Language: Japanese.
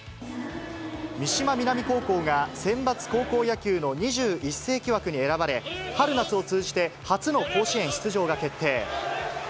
三島南高校がセンバツ高校野球の２１世紀枠に選ばれ、春夏を通じて初の甲子園出場が決定。